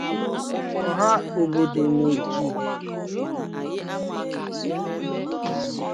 ọha obodo wee ju